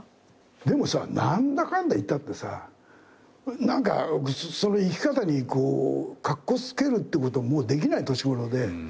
でも何だかんだ言ったってさ何か生き方にカッコつけるってこともうできない年頃で。